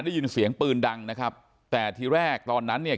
ได้ยินเสียงปืนดังนะครับแต่ทีแรกตอนนั้นเนี่ย